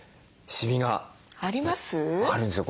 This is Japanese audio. あります？